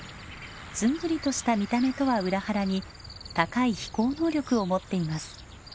ずんぐりとした見た目とは裏腹に高い飛行能力を持っています。